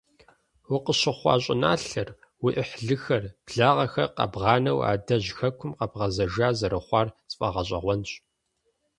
Укъыщыхъуа щӀыналъэр, уи Ӏыхьлыхэр, благъэхэр къэбгъанэу адэжь Хэкум къэбгъэзэжа зэрыхъуар сфӀэгъэщӀэгъуэнщ.